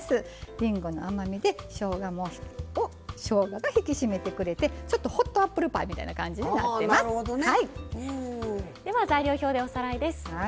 りんごの甘みをしょうがが引き締めてくれてちょっとホットアップルパイみたいな材料表でおさらいです。